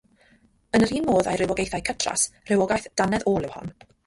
Yn yr un modd â'i rywogaethau cytras, rhywogaeth dannedd ôl yw hon.